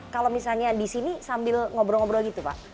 kalau misalnya di sini sambil ngobrol ngobrol gitu pak